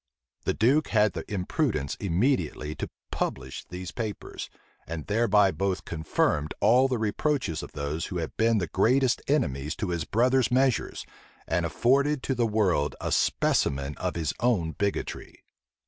The duke had the imprudence immediately to publish these papers, and thereby both confirmed all the reproaches of those who had been the greatest enemies to his brother's measures, and afforded to the world a specimen of his own bigotry.